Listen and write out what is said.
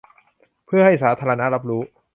เพื่อให้สาธาณะรับรู้